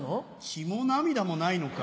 血も涙もないのか。